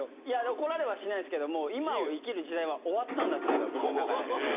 怒られはしないんですけど、今を生きる時代は終わったんだって、僕の中で。